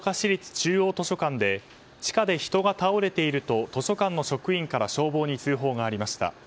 中央図書館で地下で人が倒れていると図書館の職員から消防に通報がありました。